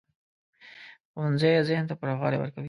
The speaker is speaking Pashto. ښوونځی ذهن ته پراخوالی ورکوي